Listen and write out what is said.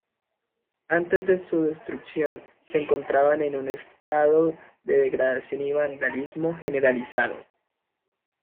Antes de su destrucción, se encontraban en un estado de degradación y vandalismo generalizado.